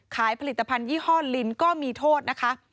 ขายผลิตภัณฑยี่ห้อลินก็มีโทษนะคะ